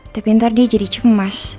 tapi ntar dia jadi cemas